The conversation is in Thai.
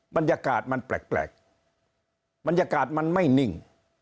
บรรยากาศมันแปลกบรรยากาศมันไม่นิ่ง